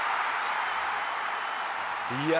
いや。